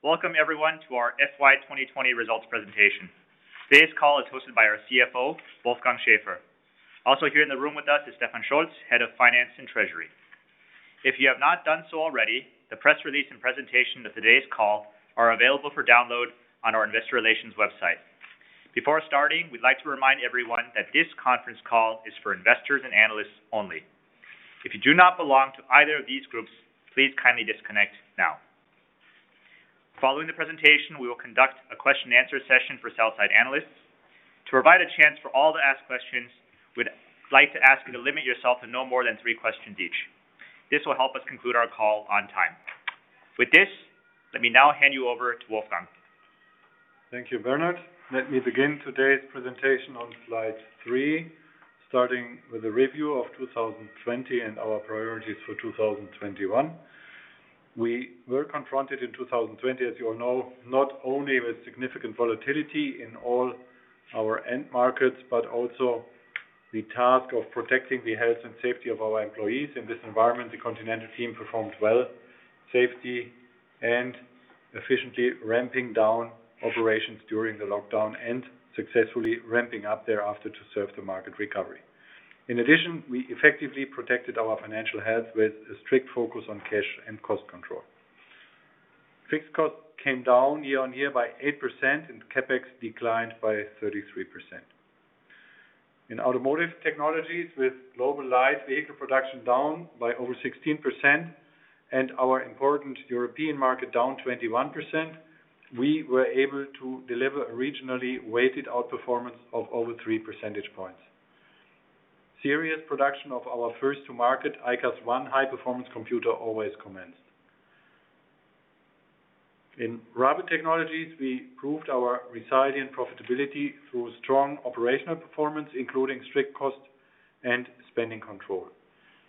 Welcome everyone to our FY 2020 Results Presentation. Today's call is hosted by our CFO, Wolfgang Schäfer. Also here in the room with us is Stefan Scholz, Head of Finance and Treasury. If you have not done so already, the press release and presentation of today's call are available for download on our investor relations website. Before starting, we'd like to remind everyone that this conference call is for investors and analysts only. If you do not belong to either of these groups, please kindly disconnect now. Following the presentation, we will conduct a question and answer session for sell side analysts. To provide a chance for all to ask questions, we'd like to ask you to limit yourself to no more than three questions each. This will help us conclude our call on time. With this, let me now hand you over to Wolfgang. Thank you, Bernard. Let me begin today's presentation on slide three, starting with a review of 2020 and our priorities for 2021. We were confronted in 2020, as you all know, not only with significant volatility in all our end markets, but also the task of protecting the health and safety of our employees. In this environment, the Continental team performed well, safely and efficiently ramping down operations during the lockdown, and successfully ramping up thereafter to serve the market recovery. In addition, we effectively protected our financial health with a strict focus on cash and cost control. Fixed costs came down year-on-year by 8%, and CapEx declined by 33%. In Automotive Technologies, with global light vehicle production down by over 16% and our important European market down 21%, we were able to deliver a regionally weighted outperformance of over three percentage points. Series production of our first to market, ICAS1 high-performance computer, also commenced. In Rubber Technologies, we proved our resilient profitability through strong operational performance, including strict cost and spending control.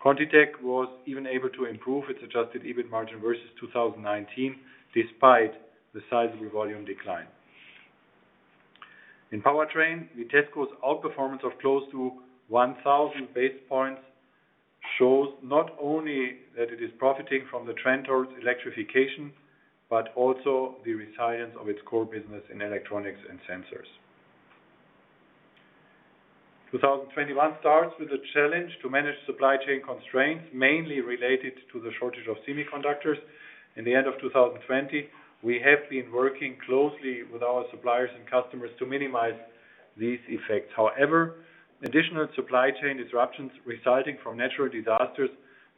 ContiTech was even able to improve its adjusted EBIT margin versus 2019, despite the sizable volume decline. In Powertrain, Vitesco's outperformance of close to 1,000 basis points shows not only that it is profiting from the trend towards electrification, but also the resilience of its core business in electronics and sensors. 2021 starts with a challenge to manage supply chain constraints, mainly related to the shortage of semiconductors. In the end of 2020, we have been working closely with our suppliers and customers to minimize these effects. However, additional supply chain disruptions resulting from natural disasters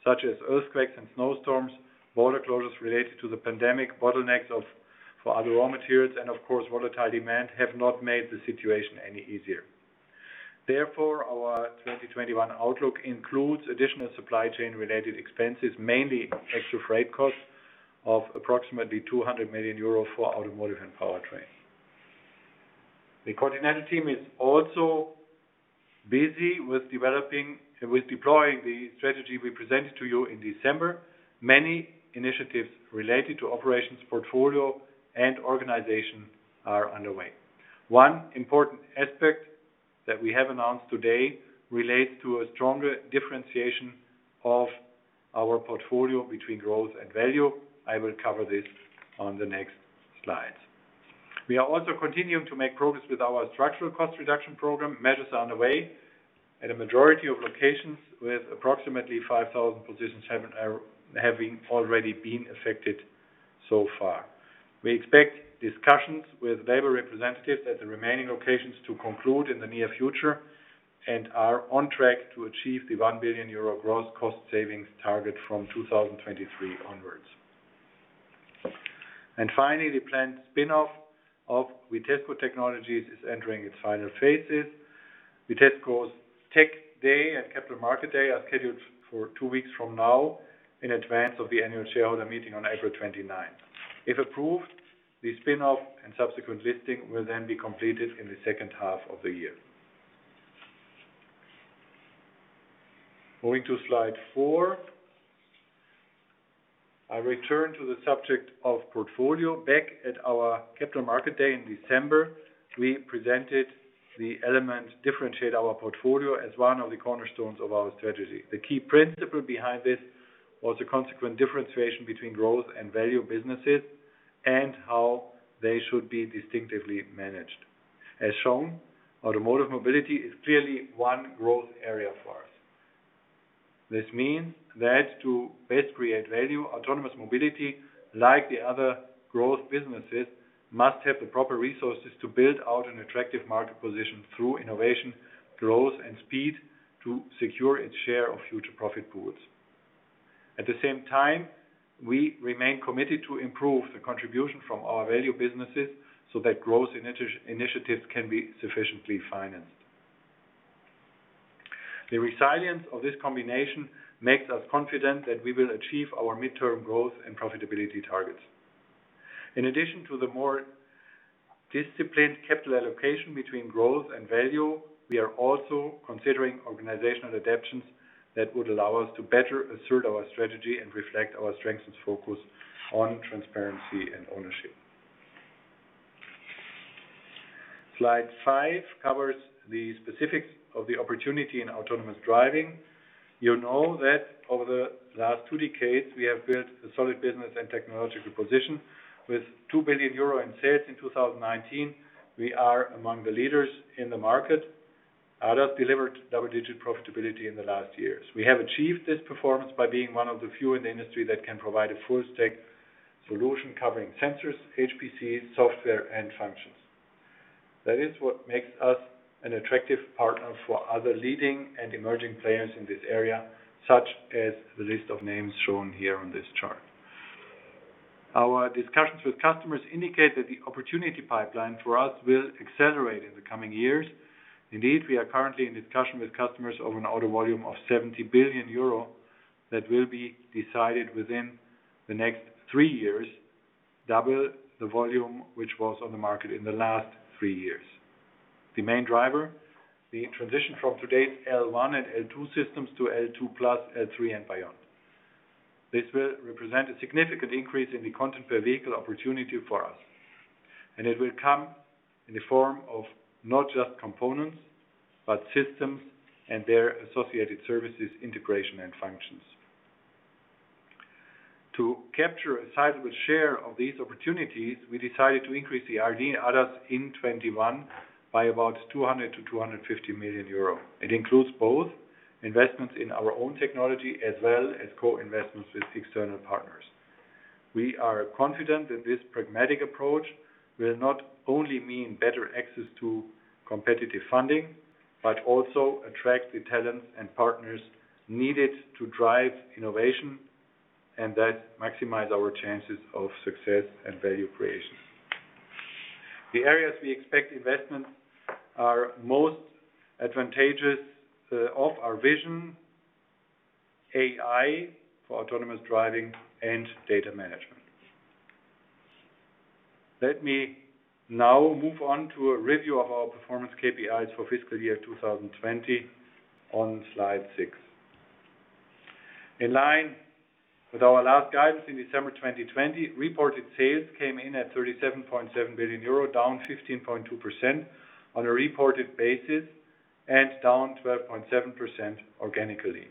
such as earthquakes and snowstorms, border closures related to the pandemic, bottlenecks for other raw materials, and of course, volatile demand, have not made the situation any easier. Therefore, our 2021 outlook includes additional supply chain-related expenses, mainly extra freight costs of approximately 200 million euro for Automotive and Powertrain. The Continental team is also busy with deploying the strategy we presented to you in December. Many initiatives related to operations portfolio and organization are underway. One important aspect that we have announced today relates to a stronger differentiation of our portfolio between growth and value. I will cover this on the next slides. We are also continuing to make progress with our structural cost reduction program. Measures are underway at a majority of locations, with approximately 5,000 positions having already been affected so far. We expect discussions with labor representatives at the remaining locations to conclude in the near future, and are on track to achieve the 1 billion euro gross cost savings target from 2023 onwards. Finally, the planned spin-off of Vitesco Technologies is entering its final phases. Vitesco's Tech Day and Capital Market Day are scheduled for two weeks from now in advance of the annual shareholder meeting on April 29th. If approved, the spin-off and subsequent listing will then be completed in the second half of the year. Moving to slide four. I return to the subject of portfolio. Back at our Capital Market Day in December, we presented the element, differentiate our portfolio, as one of the cornerstones of our strategy. The key principle behind this was the consequent differentiation between growth and value businesses and how they should be distinctively managed. As shown, autonomous mobility is clearly one growth area for us. This means that to best create value, autonomous mobility, like the other growth businesses, must have the proper resources to build out an attractive market position through innovation, growth, and speed to secure its share of future profit pools. At the same time, we remain committed to improve the contribution from our value businesses so that growth initiatives can be sufficiently financed. The resilience of this combination makes us confident that we will achieve our midterm growth and profitability targets. In addition to the more disciplined capital allocation between growth and value, we are also considering organizational adaptations that would allow us to better assert our strategy and reflect our strengths and focus on transparency and ownership. Slide five covers the specifics of the opportunity in autonomous driving. You know that over the last two decades, we have built a solid business and technological position with 2 billion euro in sales in 2019. We are among the leaders in the market. ADAS delivered double-digit profitability in the last years. We have achieved this performance by being one of the few in the industry that can provide a full-stack solution covering sensors, HPC, software, and functions. That is what makes us an attractive partner for other leading and emerging players in this area, such as the list of names shown here on this chart. Our discussions with customers indicate that the opportunity pipeline for us will accelerate in the coming years. Indeed, we are currently in discussion with customers over an order volume of 70 billion euro that will be decided within the next three years, double the volume which was on the market in the last three years. The main driver, the transition from today's L1 and L2 systems to L2+, L3, and beyond. This will represent a significant increase in the content per vehicle opportunity for us. And it will come in the form of not just components, but systems and their associated services, integration, and functions. To capture a sizable share of these opportunities, we decided to increase the R&D ADAS in 2021 by about 200 million-250 million euro. It includes both investments in our own technology as well as co-investments with external partners. We are confident that this pragmatic approach will not only mean better access to competitive funding, but also attract the talents and partners needed to drive innovation, and thus maximize our chances of success and value creation. The areas we expect investments are most advantageous of are vision, AI for autonomous driving, and data management. Let me now move on to a review of our performance KPIs for fiscal year 2020 on slide six. In line with our last guidance in December 2020, reported sales came in at 37.7 billion euro, down 15.2% on a reported basis and down 12.7% organically.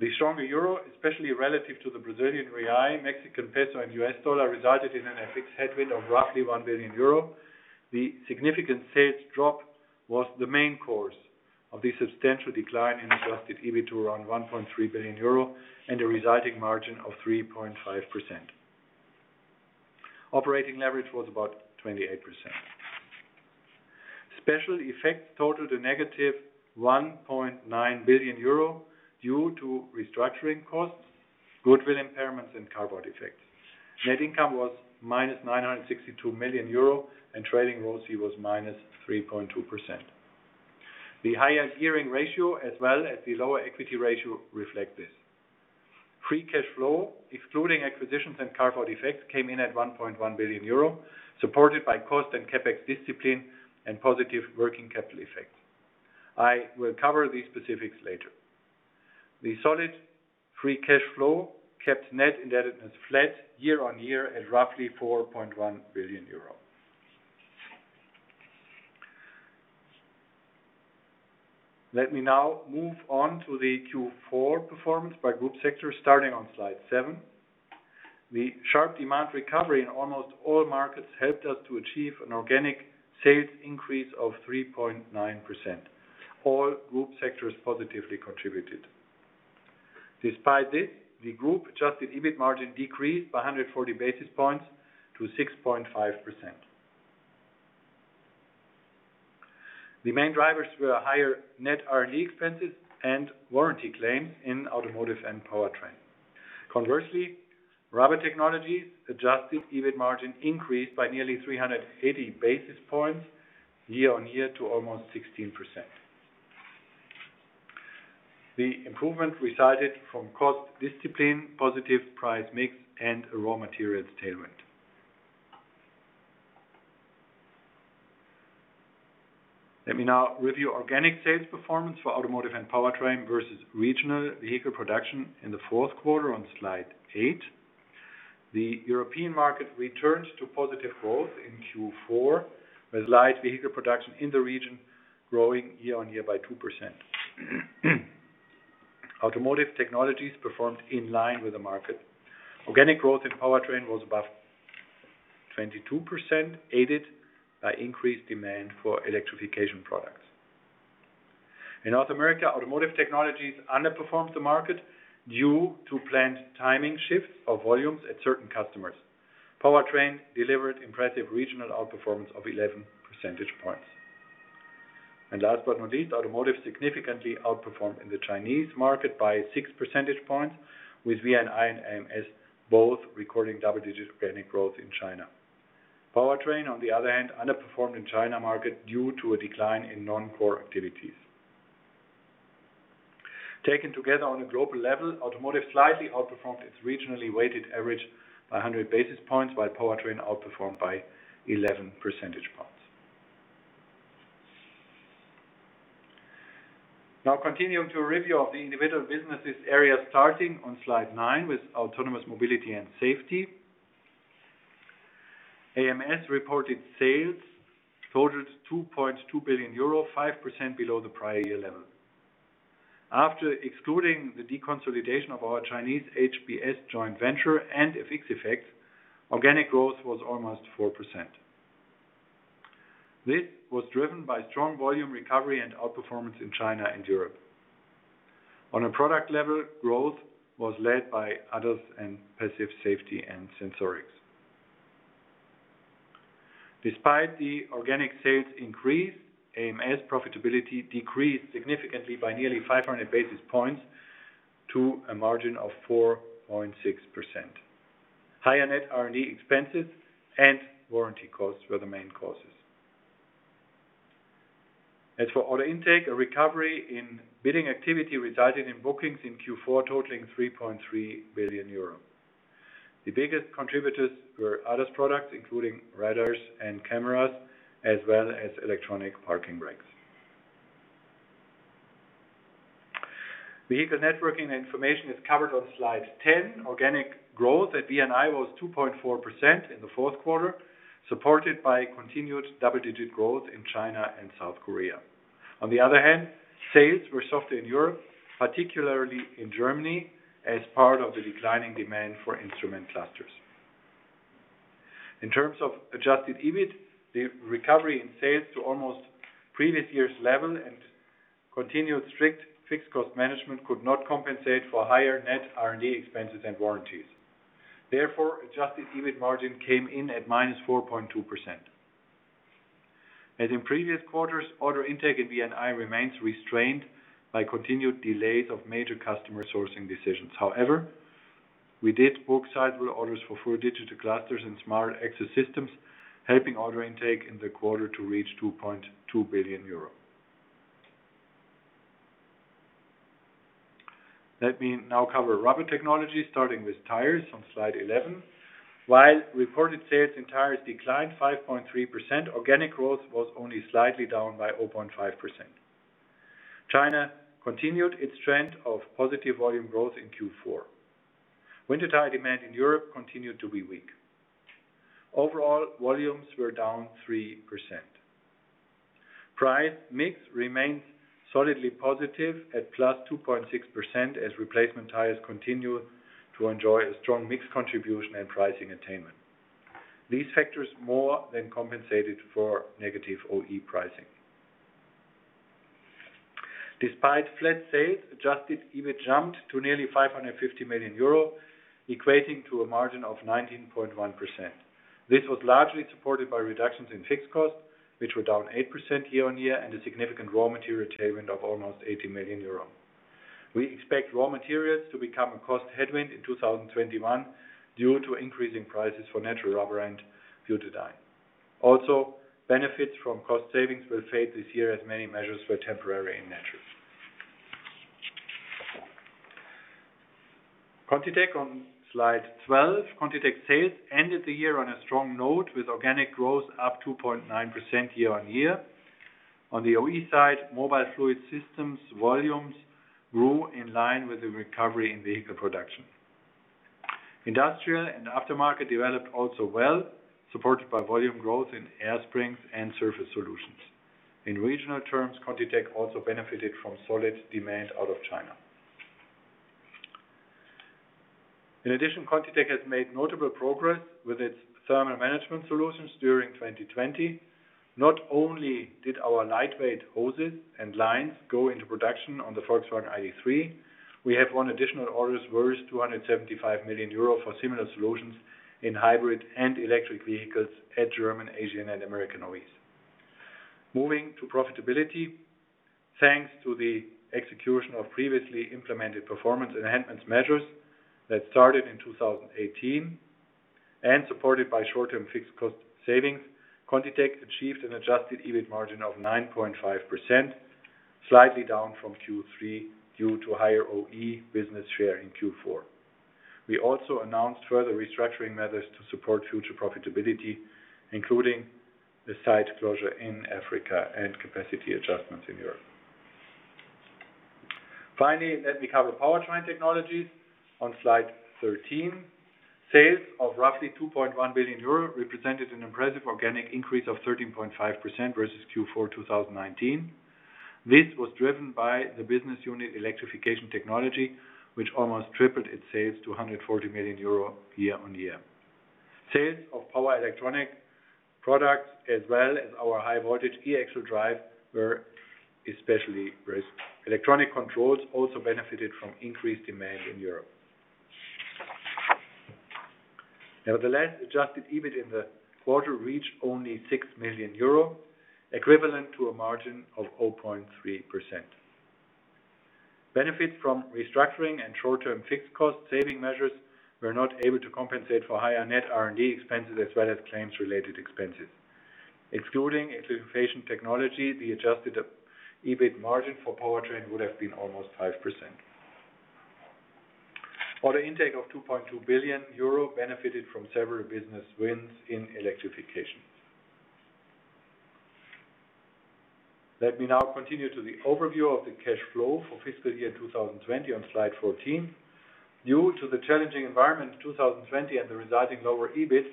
The stronger euro, especially relative to the Brazilian real, Mexican peso, and U.S. dollar, resulted in an FX headwind of roughly 1 billion euro. The significant sales drop was the main cause of the substantial decline in adjusted EBIT to around 1.3 billion euro and a resulting margin of 3.5%. Operating leverage was about 28%. Special effects totaled a negative 1.9 billion euro due to restructuring costs, goodwill impairments, and carve-out effects. Net income was -962 million euro, and trailing ROCE was -3.2%. The higher gearing ratio as well as the lower equity ratio reflect this. Free cash flow, excluding acquisitions and carve-out effects, came in at 1.1 billion euro, supported by cost and CapEx discipline and positive working capital effects. I will cover these specifics later. The solid free cash flow kept net indebtedness flat year-on-year at roughly EUR 4.1 billion. Let me now move on to the Q4 performance by group sector starting on slide seven. The sharp demand recovery in almost all markets helped us to achieve an organic sales increase of 3.9%. All group sectors positively contributed. Despite this, the group-adjusted EBIT margin decreased by 140 basis points to 6.5%. The main drivers were higher net R&D expenses and warranty claims in Automotive and Powertrain. Conversely, Rubber Technologies' adjusted EBIT margin increased by nearly 380 basis points year-on-year to almost 16%. The improvement resulted from cost discipline, positive price mix, and a raw material tailwind. Let me now review organic sales performance for Automotive and Powertrain versus regional vehicle production in the fourth quarter on slide eight. The European market returned to positive growth in Q4, with light vehicle production in the region growing year-on-year by 2%. Automotive Technologies performed in line with the market. Organic growth in Powertrain was above 22%, aided by increased demand for electrification products. In North America, Automotive Technologies underperformed the market due to planned timing shifts of volumes at certain customers. Powertrain delivered impressive regional outperformance of 11 percentage points. Last but not least, Automotive significantly outperformed in the Chinese market by 6 percentage points with VNI and AMS both recording double-digit organic growth in China. Powertrain, on the other hand, underperformed in China market due to a decline in non-core activities. Taken together on a global level, Automotive Technologies slightly outperformed its regionally weighted average by 100 basis points, while Powertrain Technologies outperformed by 11 percentage points. Continuing to review of the individual businesses area, starting on slide nine with Autonomous Mobility and Safety. AMS reported sales totaled 2.2 billion euro, 5% below the prior year level. After excluding the deconsolidation of our Chinese HBS joint venture and FX effects, organic growth was almost 4%. This was driven by strong volume recovery and outperformance in China and Europe. On a product level, growth was led by ADAS and Passive Safety and Sensorics. Despite the organic sales increase, AMS profitability decreased significantly by nearly 500 basis points to a margin of 4.6%. Higher net R&D expenses and warranty costs were the main causes. For order intake, a recovery in billing activity resulted in bookings in Q4 totaling 3.3 billion euros. The biggest contributors were ADAS products, including radars and cameras, as well as electronic parking brakes. Vehicle Networking and Information is covered on slide 10. Organic growth at VNI was 2.4% in the fourth quarter, supported by continued double-digit growth in China and South Korea. On the other hand, sales were softer in Europe, particularly in Germany, as part of the declining demand for instrument clusters. In terms of adjusted EBIT, the recovery in sales to almost previous year's level and continued strict fixed cost management could not compensate for higher net R&D expenses and warranties. Therefore, adjusted EBIT margin came in at -4.2%. As in previous quarters, order intake in VNI remains restrained by continued delays of major customer sourcing decisions. However, we did book sizable orders for full digital clusters and Smart Access systems, helping order intake in the quarter to reach 2.2 billion euro. Let me now cover Rubber Technologies, starting with tires on slide 11. While reported sales in tires declined 5.3%, organic growth was only slightly down by 0.5%. China continued its trend of positive volume growth in Q4. Winter tire demand in Europe continued to be weak. Overall, volumes were down 3%. Price mix remains solidly positive at +2.6% as replacement tires continue to enjoy a strong mix contribution and pricing attainment. These sectors more than compensated for negative OE pricing. Despite flat sales, adjusted EBIT jumped to nearly 550 million euro, equating to a margin of 19.1%. This was largely supported by reductions in fixed costs, which were down 8% year-on-year, and a significant raw material tailwind of almost 80 million euros. We expect raw materials to become a cost headwind in 2021 due to increasing prices for natural rubber and butadiene. Also, benefits from cost savings will fade this year as many measures were temporary in nature. ContiTech on slide 12. ContiTech sales ended the year on a strong note with organic growth up 2.9% year on year. On the OE side, Mobile Fluid Systems volumes grew in line with the recovery in vehicle production. Industrial and aftermarket developed also well, supported by volume growth in air springs and Surface Solutions. In regional terms, ContiTech also benefited from solid demand out of China. In addition, ContiTech has made notable progress with its thermal management solutions during 2020. Not only did our lightweight hoses and lines go into production on the Volkswagen ID.3, we have won additional orders worth 275 million euro for similar solutions in hybrid and electric vehicles at German, Asian and American OEs. Moving to profitability. Thanks to the execution of previously implemented performance enhancements measures that started in 2018 and supported by short-term fixed cost savings, ContiTech achieved an adjusted EBIT margin of 9.5%, slightly down from Q3 due to higher OE business share in Q4. We also announced further restructuring measures to support future profitability, including the site closure in Africa and capacity adjustments in Europe. Finally, let me cover Powertrain Technologies on slide 13. Sales of roughly 2.1 billion euro represented an impressive organic increase of 13.5% versus Q4 2019. This was driven by the business unit Electrification Technology, which almost tripled its sales to 140 million euro year on year. Sales of power electronic products, as well as our high voltage e-axle drive, were especially brisk. Electronic controls also benefited from increased demand in Europe. Nevertheless, adjusted EBIT in the quarter reached only 6 million euro, equivalent to a margin of 0.3%. Benefits from restructuring and short-term fixed cost saving measures were not able to compensate for higher net R&D expenses as well as claims-related expenses. Excluding Electrification Technology, the adjusted EBIT margin for powertrain would have been almost 5%. Order intake of 2.2 billion euro benefited from several business wins in electrification. Let me now continue to the overview of the cash flow for fiscal year 2020 on Slide 14. Due to the challenging environment in 2020 and the resulting lower EBIT,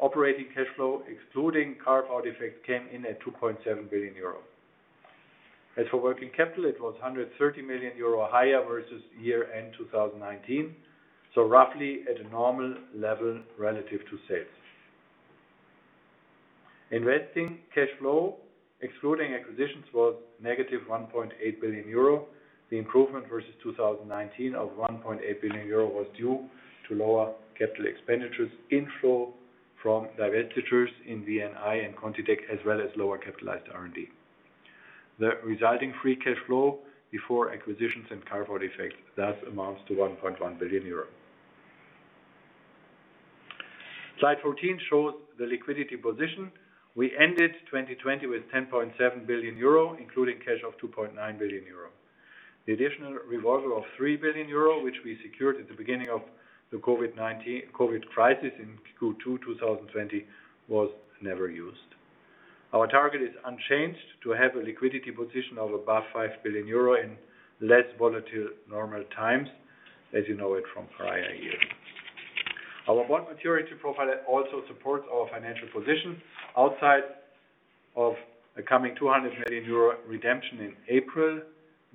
operating cash flow, excluding carve-out effects, came in at 2.7 billion euro. As for working capital, it was 130 million euro higher versus year-end 2019, so roughly at a normal level relative to sales. Investing cash flow, excluding acquisitions, was -1.8 billion euro. The improvement versus 2019 of 1.8 billion euro was due to lower capital expenditures inflow from divestitures in VNI and ContiTech, as well as lower capitalized R&D. The resulting free cash flow before acquisitions and carve-out effects thus amounts to 1.1 billion euro. Slide 15 shows the liquidity position. We ended 2020 with 10.7 billion euro, including cash of 2.9 billion euro. The additional revolver of 3 billion euro, which we secured at the beginning of the COVID-19 crisis in Q2 2020, was never used. Our target is unchanged to have a liquidity position of above 5 billion euro in less volatile normal times, as you know it from prior years. Our bond maturity profile also supports our financial position. Outside of a coming 200 million euro redemption in April,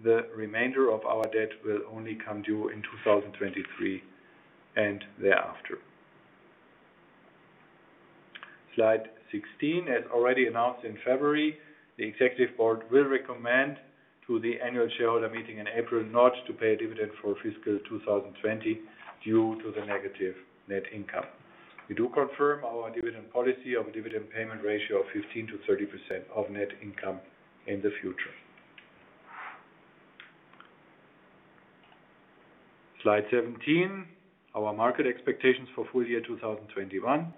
the remainder of our debt will only come due in 2023 and thereafter. Slide 16. As already announced in February, the Executive Board will recommend to the annual shareholder meeting in April not to pay a dividend for fiscal 2020 due to the negative net income. We do confirm our dividend policy of a dividend payment ratio of 15%-30% of net income in the future. Slide 17, our market expectations for full year 2021.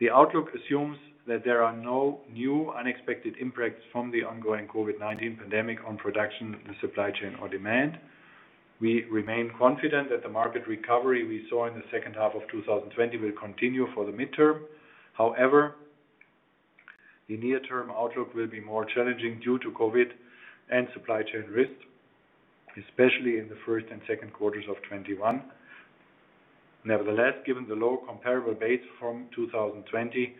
The outlook assumes that there are no new unexpected impacts from the ongoing COVID-19 pandemic on production in the supply chain or demand. We remain confident that the market recovery we saw in the second half of 2020 will continue for the midterm. However, the near-term outlook will be more challenging due to COVID and supply chain risks, especially in the first and second quarters of 2021. Nevertheless, given the low comparable base from 2020,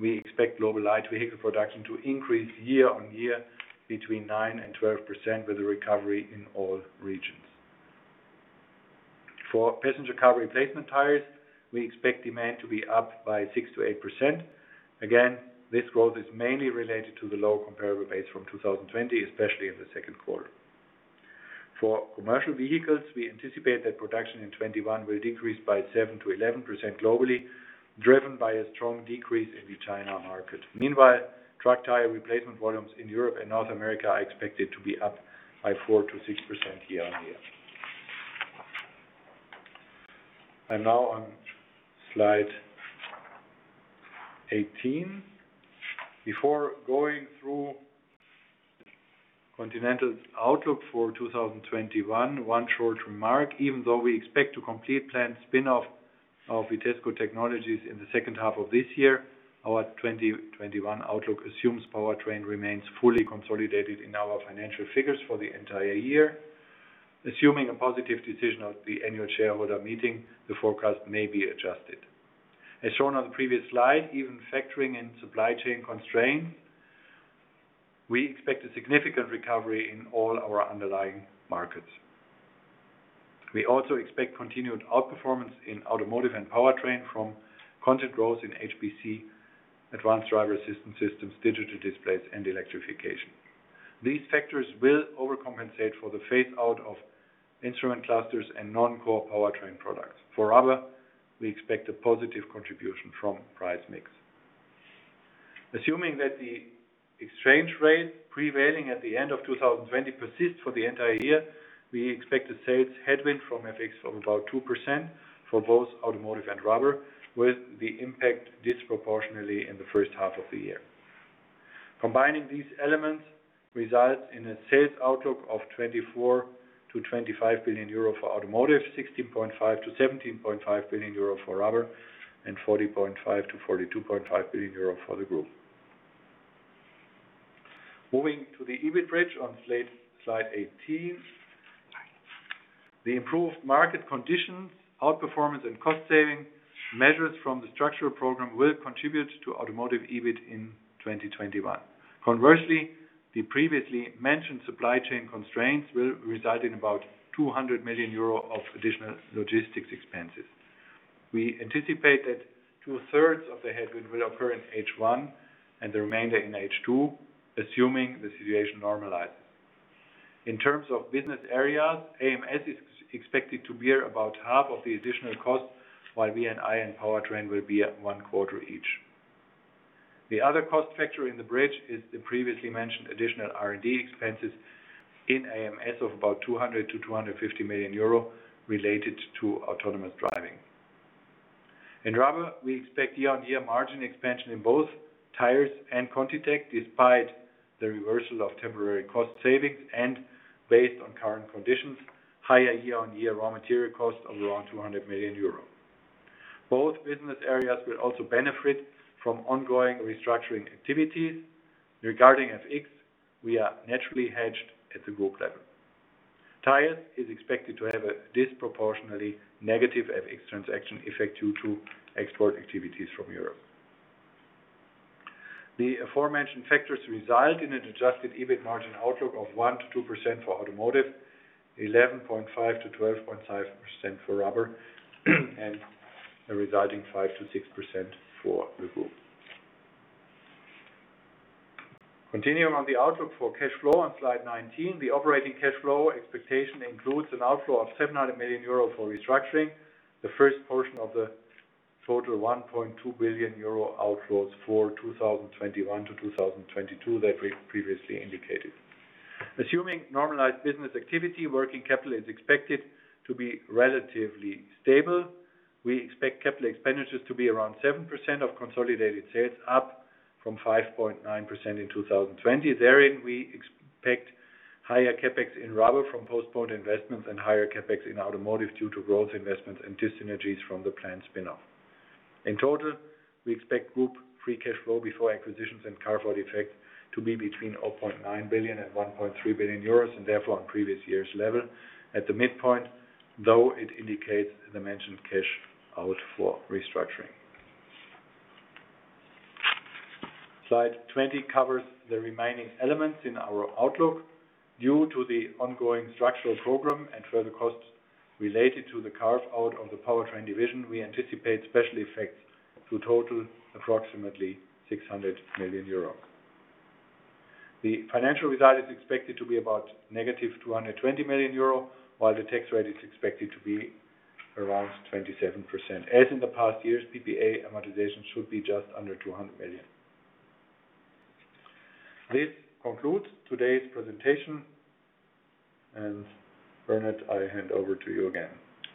we expect global light vehicle production to increase year-on-year between 9% and 12% with a recovery in all regions. For passenger car replacement tires, we expect demand to be up by 6%-8%. Again, this growth is mainly related to the low comparable base from 2020, especially in the second quarter. For commercial vehicles, we anticipate that production in 2021 will decrease by 7%-11% globally, driven by a strong decrease in the China market. Meanwhile, truck tire replacement volumes in Europe and North America are expected to be up by 4%-6% year-on-year. I am now on Slide 18. Before going through Continental's outlook for 2021, one short remark. Even though we expect to complete planned spin-off of Vitesco Technologies in the second half of this year, our 2021 outlook assumes Powertrain remains fully consolidated in our financial figures for the entire year. Assuming a positive decision of the annual shareholder meeting, the forecast may be adjusted. As shown on the previous slide, even factoring in supply chain constraints, we expect a significant recovery in all our underlying markets. We also expect continued outperformance in Automotive and Powertrain from content growth in HPC, advanced driver assistance systems, digital displays, and electrification. These factors will overcompensate for the phase-out of instrument clusters and non-core powertrain products. For Rubber, we expect a positive contribution from price mix. Assuming that the exchange rate prevailing at the end of 2020 persists for the entire year, we expect a sales headwind from FX of about 2% for both Automotive and Rubber, with the impact disproportionately in the first half of the year. Combining these elements results in a sales outlook of 24 billion-25 billion euro for Automotive, 16.5 billion-17.5 billion euro for Rubber, and 40.5 billion-42.5 billion euro for the Group. Moving to the EBIT bridge on Slide 18. The improved market conditions, outperformance and cost-saving measures from the structural program will contribute to Automotive EBIT in 2021. Conversely, the previously mentioned supply chain constraints will result in about 200 million euro of additional logistics expenses. We anticipate that two-thirds of the headwind will occur in H1 and the remainder in H2, assuming the situation normalizes. In terms of business areas, AMS is expected to bear about half of the additional cost, while VNI and Powertrain will bear one quarter each. The other cost factor in the bridge is the previously mentioned additional R&D expenses in AMS of about 200 million-250 million euro related to autonomous driving. In Rubber, we expect year-on-year margin expansion in both tires and ContiTech, despite the reversal of temporary cost savings and based on current conditions, higher year-on-year raw material costs of around 200 million euros. Both business areas will also benefit from ongoing restructuring activities. Regarding FX, we are naturally hedged at the group level. Tire is expected to have a disproportionately negative FX transaction effect due to export activities from Europe. The aforementioned factors result in an adjusted EBIT margin outlook of 1%-2% for Automotive, 11.5%-12.5% for Rubber, and a resulting 5%-6% for the group. Continuing on the outlook for cash flow on slide 19, the operating cash flow expectation includes an outflow of 700 million euro for restructuring, the first portion of the total 1.2 billion euro outflows for 2021-2022 that we previously indicated. Assuming normalized business activity, working capital is expected to be relatively stable. We expect capital expenditures to be around 7% of consolidated sales, up from 5.9% in 2020. Therein, we expect higher CapEx in Rubber from postponed investments and higher CapEx in Automotive due to growth investments and dissynergies from the planned spin-off. In total, we expect group free cash flow before acquisitions and carve-out effect to be between 0.9 billion and 1.3 billion euros and therefore on previous year's level. At the midpoint, though it indicates the mentioned cash out for restructuring. Slide 20 covers the remaining elements in our outlook. Due to the ongoing structural program and further costs related to the carve-out of the powertrain division, we anticipate special effects to total approximately 600 million euro. The financial result is expected to be about -220 million euro, while the tax rate is expected to be around 27%. As in the past years, PPA amortization should be just under 200 million. This concludes today's presentation. Bernard, I hand over to you again.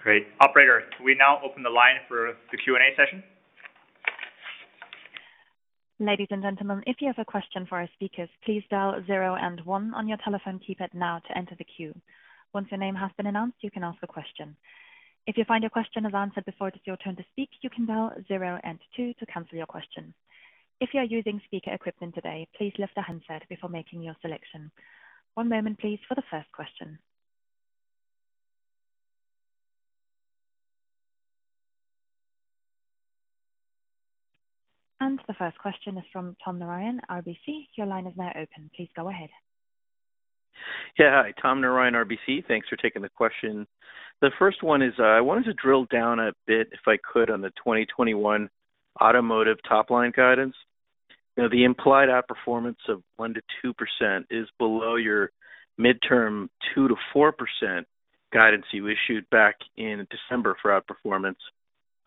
Great. Operator, can we now open the line for the Q&A session? The first question is from Tom Narayan, RBC. Your line is now open. Please go ahead. Yeah. Hi, Tom Narayan, RBC. Thanks for taking the question. I wanted to drill down a bit, if I could, on the 2021 Automotive top-line guidance. The implied outperformance of 1%-2% is below your midterm 2%-4% guidance you issued back in December for outperformance.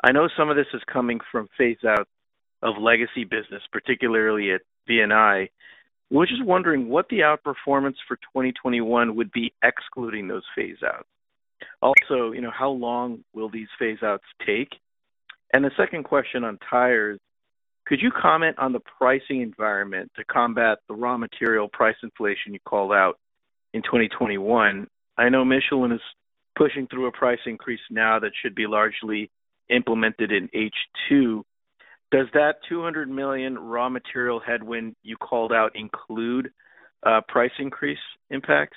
I know some of this is coming from phase-outs of legacy business, particularly at VNI. I was just wondering what the outperformance for 2021 would be excluding those phase-outs. How long will these phase-outs take? The second question on tires, could you comment on the pricing environment to combat the raw material price inflation you called out in 2021? I know Michelin is pushing through a price increase now that should be largely implemented in H2. Does that 200 million raw material headwind you called out include price increase impacts?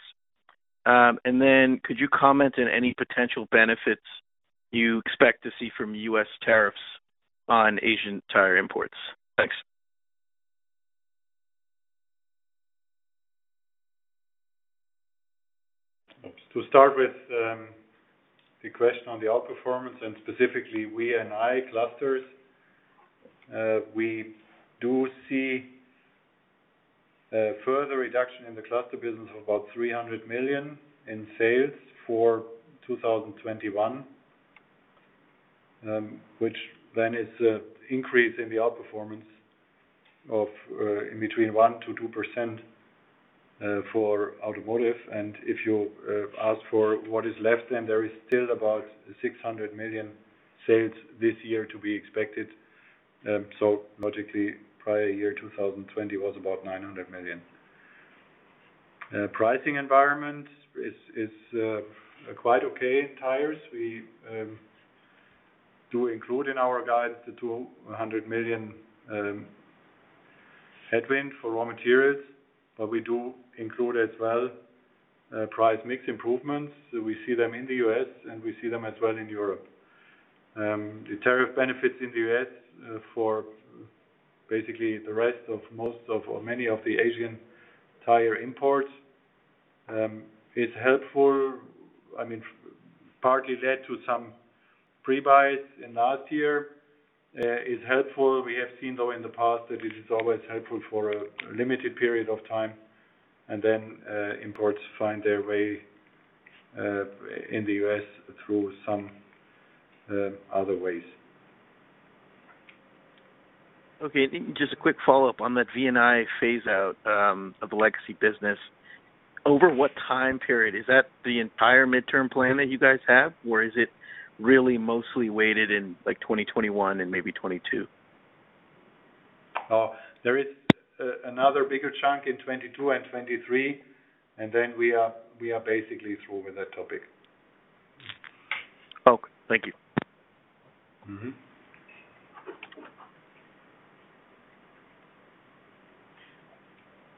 Could you comment on any potential benefits you expect to see from U.S. tariffs on Asian tire imports? Thanks. To start with the question on the outperformance and specifically VNI clusters, we do see a further reduction in the cluster business of about 300 million in sales for 2021, which then is an increase in the outperformance of in between 1%-2% for Automotive. If you ask for what is left, then there is still about 600 million sales this year to be expected. Logically, prior year 2020 was about 900 million. Pricing environment is quite okay in tires. We do include in our guidance the 200 million headwind for raw materials, we do include as well price mix improvements. We see them in the U.S., we see them as well in Europe. The tariff benefits in the U.S. for basically the rest of many of the Asian tire imports is helpful. I mean, partly led to some pre-buys in last year. Is helpful. We have seen, though, in the past that it is always helpful for a limited period of time. Imports find their way in the U.S. through some other ways. Okay. Just a quick follow-up on that VNI phase out of the legacy business. Over what time period? Is that the entire midterm plan that you guys have, or is it really mostly weighted in 2021 and maybe 2022? There is another bigger chunk in 2022 and 2023, and then we are basically through with that topic. Okay. Thank you.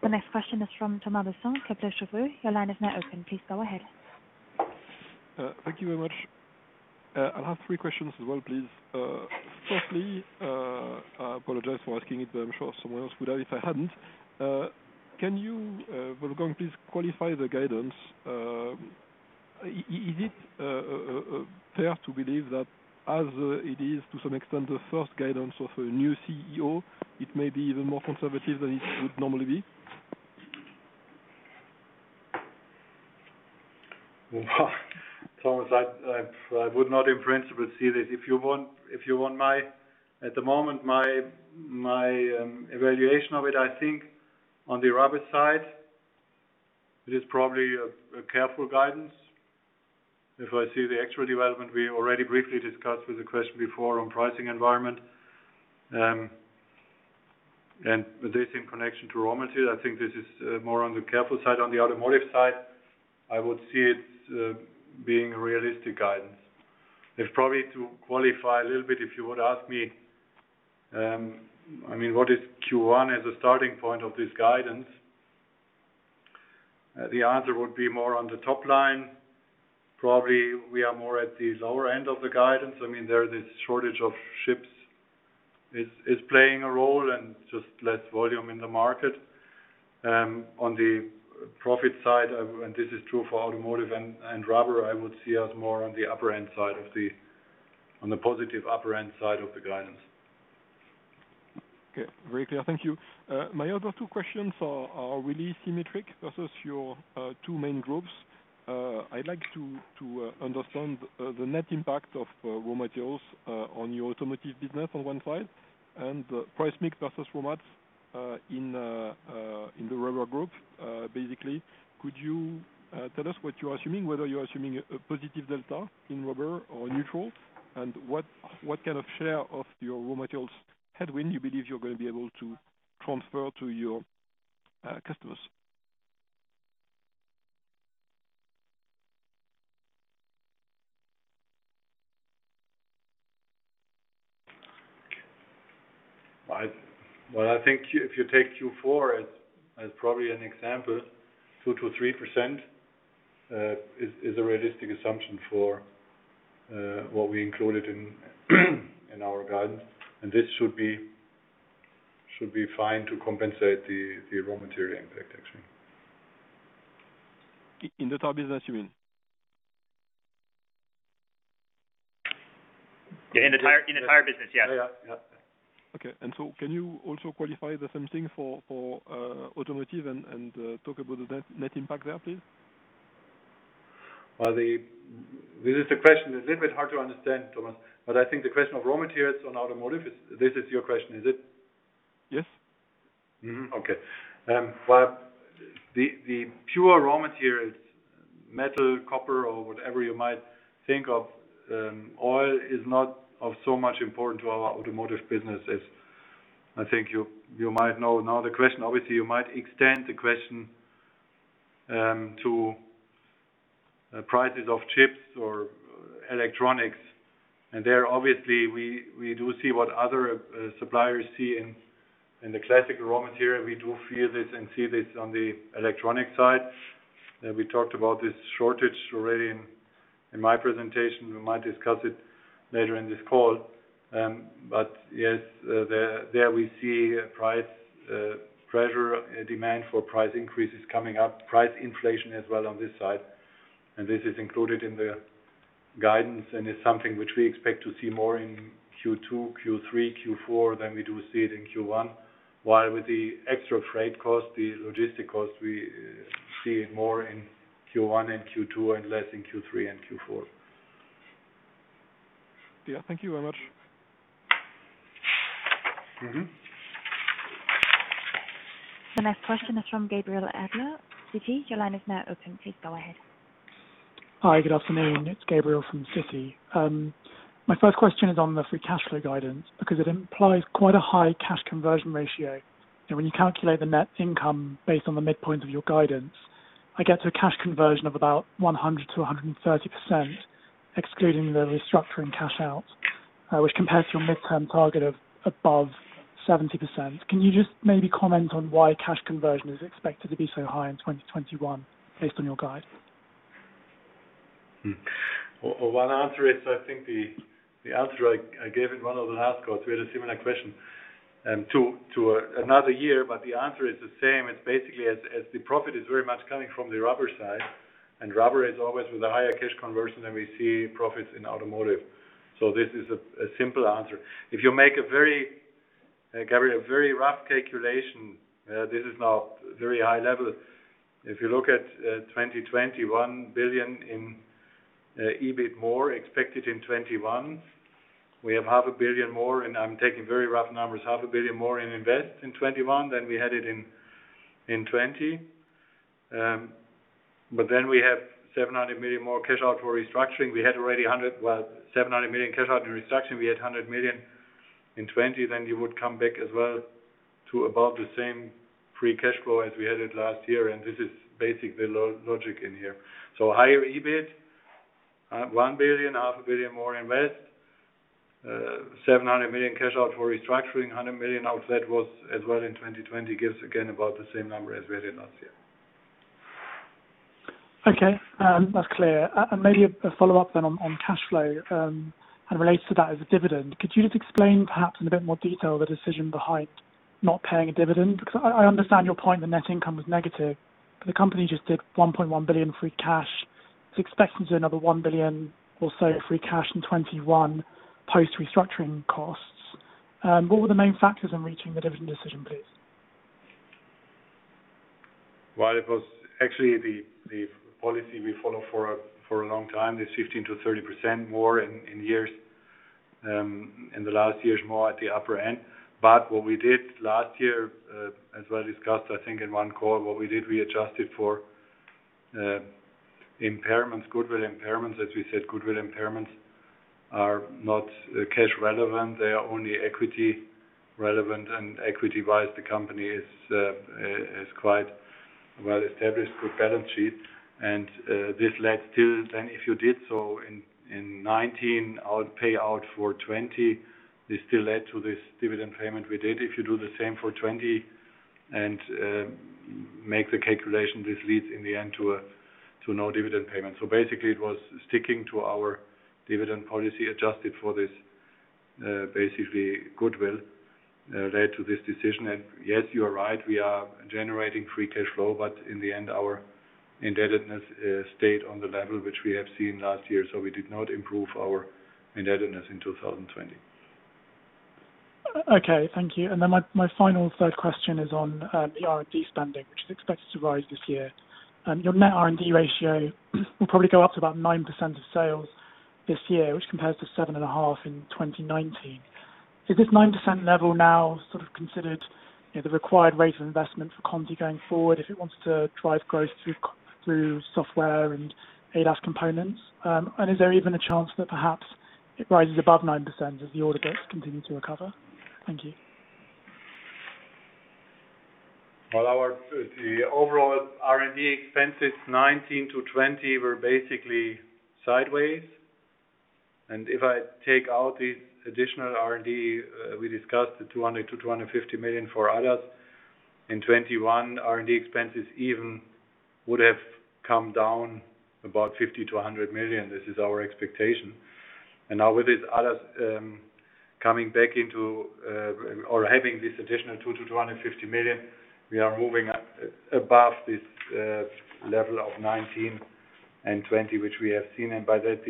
The next question is from Thomas Besson, Kepler Cheuvreux. Your line is now open. Please go ahead. Thank you very much. I'll have three questions as well, please. Firstly, I apologize for asking it, but I'm sure someone else would have if I hadn't. Can you, Wolfgang, please qualify the guidance? Is it fair to believe that as it is to some extent the first guidance of a new CEO, it may be even more conservative than it would normally be? Thomas, I would not in principle see this. If you want, at the moment, my evaluation of it, I think on the rubber side, it is probably a careful guidance. If I see the actual development we already briefly discussed with the question before on pricing environment, and this in connection to raw materials, I think this is more on the careful side. On the automotive side, I would see it being a realistic guidance. If probably to qualify a little bit, if you would ask me what is Q1 as a starting point of this guidance? The answer would be more on the top line. Probably we are more at this lower end of the guidance. There is this shortage of chips is playing a role and just less volume in the market. On the profit side, and this is true for automotive and rubber, I would see us more on the positive upper end side of the guidance. Okay. Very clear. Thank you. My other two questions are really symmetric versus your two main groups. I'd like to understand the net impact of raw materials on your automotive business on one side and price mix versus raw mats in the rubber group. Basically, could you tell us what you're assuming, whether you're assuming a positive delta in rubber or neutral, and what kind of share of your raw materials headwind you believe you're going to be able to transfer to your customers? Well, I think if you take Q4 as probably an example, 2%-3% is a realistic assumption for what we included in our guidance. This should be fine to compensate the raw material impact, actually. In the tire business, you mean? In the tire business, yes. Yeah. Okay. can you also qualify the same thing for automotive and talk about the net impact there, please? This is a question that's a little bit hard to understand, Thomas, but I think the question of raw materials on automotive, this is your question, is it? Yes. Mm-hmm. Okay. The pure raw materials, metal, copper, or whatever you might think of, oil is not of so much important to our Automotive business as I think you might know. Now, the question, obviously, you might extend the question to prices of chips or electronics. There, obviously, we do see what other suppliers see in the classic raw material. We do feel this and see this on the electronic side. We talked about this shortage already in my presentation. We might discuss it later in this call. Yes, there we see price pressure, demand for price increases coming up, price inflation as well on this side. This is included in the guidance and is something which we expect to see more in Q2, Q3, Q4 than we do see it in Q1. With the extra freight cost, the logistic cost, we see it more in Q1 and Q2 and less in Q3 and Q4. Yeah. Thank you very much. The next question is from Gabriel Adler, Citi. Your line is now open. Please go ahead. Hi. Good afternoon. It's Gabriel from Citi. My first question is on the free cash flow guidance, because it implies quite a high cash conversion ratio. When you calculate the net income based on the midpoint of your guidance, I get to a cash conversion of about 100%-130%, excluding the restructuring cash out, which compares to your midterm target of above 70%. Can you just maybe comment on why cash conversion is expected to be so high in 2021 based on your guidance? One answer is, I think the answer I gave in one of the last calls, we had a similar question to another year. The answer is the same. It's basically as the profit is very much coming from the rubber side. Rubber is always with a higher cash conversion than we see profits in automotive. This is a simple answer. If you make a very, Gabriel, a very rough calculation, this is now very high level. If you look at 2020, 1 billion in EBIT more expected in 2021. We have 500 million more. I'm taking very rough numbers, 500 million more in invest in 2021 than we had it in 2020. We have 700 million more cash out for restructuring. We had already 700 million cash out in restructuring. We had 100 million in 2020. You would come back as well to about the same free cash flow as we had it last year. This is basically the logic in here. Higher EBIT, 1 billion, 500 million more invest, 700 million cash out for restructuring, 100 million out that was as well in 2020 gives again about the same number as we had last year. Okay. That's clear. Maybe a follow-up on cash flow, and related to that is dividend. Could you just explain perhaps in a bit more detail the decision behind not paying a dividend? I understand your point that net income was negative. The company just did 1.1 billion free cash. It's expected to do another 1 billion or so of free cash in 2021 post-restructuring costs. What were the main factors in reaching the dividend decision, please? Well, it was actually the policy we follow for a long time, this 15%-30% more in the last years, more at the upper end. What we did last year, as well discussed, I think in one call, what we did, we adjusted for goodwill impairments. As we said, goodwill impairments are not cash relevant. They are only equity relevant. Equity-wise, the company has quite well-established good balance sheet. This led still then if you did so in 2019, our payout for 2020, this still led to this dividend payment we did. If you do the same for 2020 and make the calculation, this leads in the end to no dividend payment. Basically, it was sticking to our dividend policy adjusted for this basically goodwill led to this decision. Yes, you are right, we are generating free cash flow, but in the end, our indebtedness stayed on the level which we have seen last year. We did not improve our indebtedness in 2020. Okay, thank you. My final third question is on the R&D spending, which is expected to rise this year. Your net R&D ratio will probably go up to about 9% of sales this year, which compares to 7.5% in 2019. Is this 9% level now sort of considered the required rate of investment for Conti going forward if it wants to drive growth through software and ADAS components? Is there even a chance that perhaps it rises above 9% as the order books continue to recover? Thank you. Well, our overall R&D expenses 2019 to 2020 were basically sideways. If I take out these additional R&D, we discussed the 200 million-250 million for ADAS. In 2021, R&D expenses even would have come down about 50 million-100 million. This is our expectation. Now with this ADAS coming back into or having this additional 200 million-250 million, we are moving above this level of 2019 and 2020, which we have seen. By that,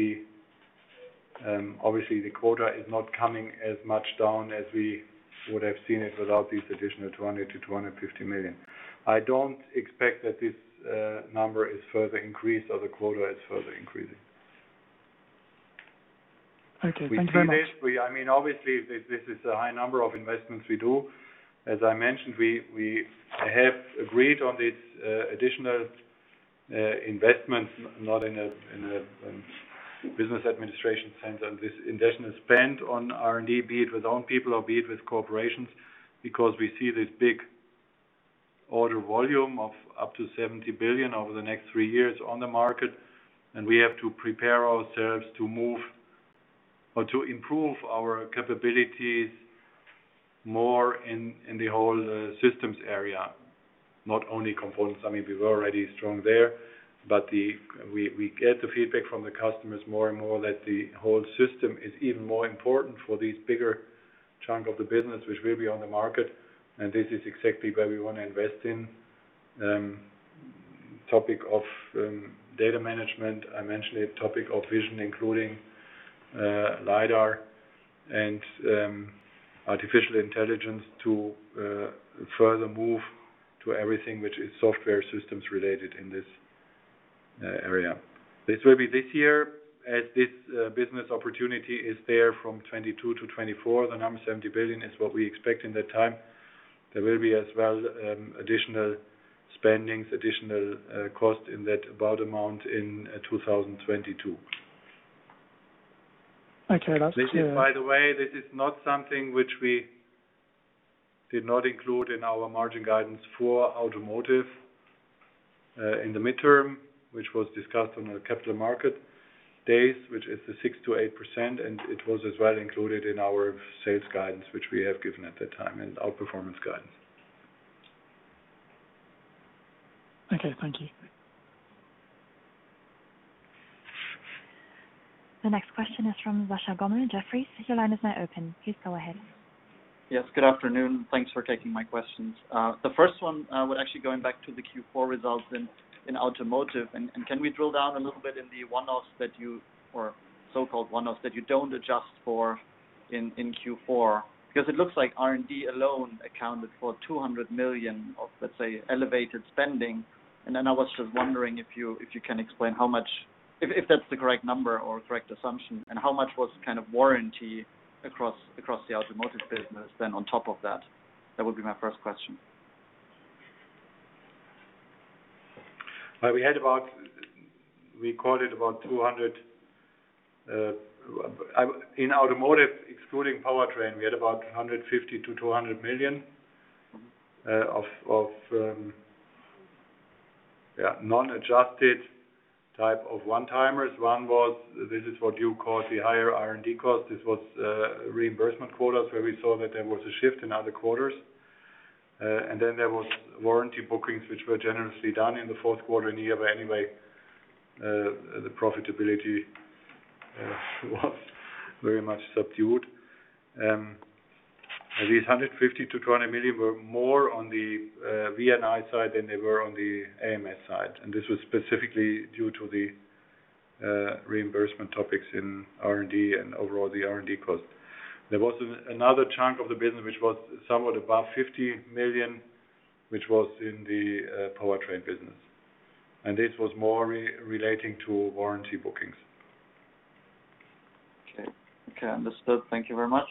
obviously the quota is not coming as much down as we would have seen it without these additional 200 million-250 million. I don't expect that this number is further increased or the quota is further increasing. Okay. Thank you very much. We see this. Obviously, this is a high number of investments we do. As I mentioned, we have agreed on these additional investments, not in a business administration sense on this additional spend on R&D, be it with own people or be it with cooperations. We see this big order volume of up to 70 billion over the next three years on the market, and we have to prepare ourselves to move or to improve our capabilities more in the whole systems area, not only components. We were already strong there. We get the feedback from the customers more and more that the whole system is even more important for this bigger chunk of the business which will be on the market. This is exactly where we want to invest in. Topic of data management, I mentioned it. Topic of vision, including lidar and artificial intelligence to further move to everything which is software systems related in this area. This will be this year as this business opportunity is there from 2022 to 2024. The number 70 billion is what we expect in that time. There will be as well additional spendings, additional cost in that about amount in 2022. Okay, that's clear. By the way, this is not something which we did not include in our margin guidance for automotive in the midterm, which was discussed on the Capital Market Days, which is the 6%-8%, and it was as well included in our sales guidance, which we have given at that time, and our performance guidance. Okay, thank you. The next question is from Sascha Gommel, Jefferies. Your line is now open. Please go ahead. Yes, good afternoon. Thanks for taking my questions. The first one, I would actually going back to the Q4 results in Automotive. Can we drill down a little bit in the one-offs that you, or so-called one-offs that you don't adjust for in Q4, because it looks like R&D alone accounted for 200 million of, let's say, elevated spending? Then I was just wondering if you can explain how much, if that's the correct number or correct assumption, and how much was kind of warranty across the Automotive business then on top of that? That would be my first question. We recorded about In automotive, excluding powertrain, we had about 150 million-200 million of non-adjusted type of one-timers. One was, this is what you call the higher R&D cost. This was reimbursement quotas where we saw that there was a shift in other quarters. Then there was warranty bookings, which were generously done in the fourth quarter in a year anyway. The profitability was very much subdued. These 150 million-200 million were more on the VNI side than they were on the AMS side. This was specifically due to the reimbursement topics in R&D and overall the R&D cost. There was another chunk of the business, which was somewhat above 50 million, which was in the powertrain business. This was more relating to warranty bookings. Okay. Understood. Thank you very much.